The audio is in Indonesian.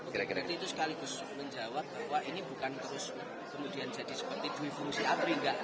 jadi itu sekaligus menjawab bahwa ini bukan terus kemudian jadi seperti duit fungsi atri enggak